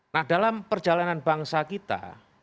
nah dalam perjalanan bangsa kita